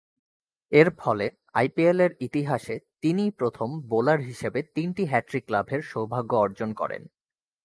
এরফলে আইপিএলের ইতিহাসে তিনিই প্রথম বোলার হিসেবে তিনটি হ্যাট্রিক লাভের সৌভাগ্য অর্জন করেন।